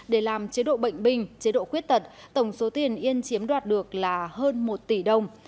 để làm chế độ bệnh binh chế độ khuyết tật tổng số tiền yên chiếm đoạt được là hơn một tỷ đồng